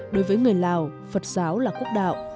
đối với người lào phật giáo là quốc đạo